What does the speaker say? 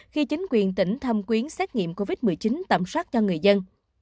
khi chính quyền tỉnh thâm quyến xét nghiệm covid một mươi chín tầm soát cho người dân